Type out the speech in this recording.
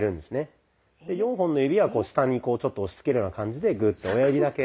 で４本の指は下に押しつけるような感じでグーッと親指だけ。